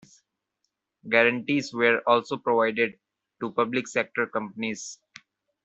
Guarantees were also provided to public-sector companies.